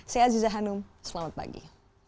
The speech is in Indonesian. saya aziza hanum selamat pagi